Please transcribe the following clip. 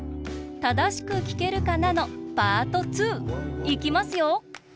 「ただしくきけるかな」のパート２！いきますよ！